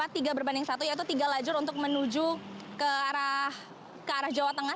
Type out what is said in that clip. tiga berbanding satu yaitu tiga lajur untuk menuju ke arah jawa tengah